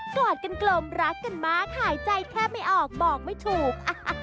กอดกันกลมรักกันมากหายใจแทบไม่ออกบอกไม่ถูก